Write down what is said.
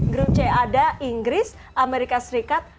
grup c ada inggris amerika serikat